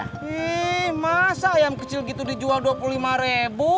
hmm masa ayam kecil gitu dijual rp dua puluh lima ribu